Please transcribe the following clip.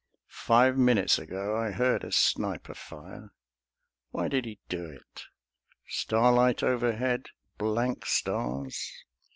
Five minutes ago I heard a sniper fire: Why did he do it?... Starlight overhead Blank stars.